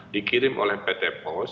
dikirim oleh pt pos